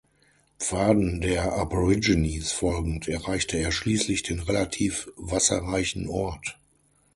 Pfaden der Aborigines folgend erreichte er schließlich den relativ wasserreichen Ort.